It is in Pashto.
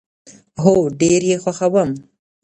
هو، ډیر یی خوښوم